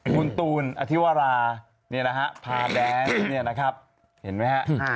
คุณตูนอธิวราเนี่ยนะฮะพาแดนซ์เนี่ยนะครับเห็นไหมฮะ